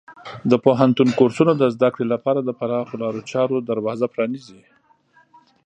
د پوهنتون کورسونه د زده کړې لپاره د پراخو لارو چارو دروازه پرانیزي.